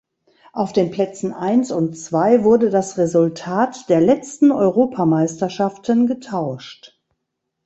Auf den Plätzen eins und zwei wurde das Resultat der letzten Europameisterschaften getauscht.